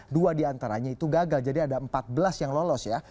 dua diantaranya itu gagal jadi ada empat belas yang lolos ya